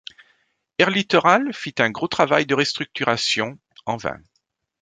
Air Littoral fit un gros travail de restructuration, en vain.